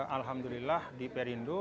alhamdulillah di perindo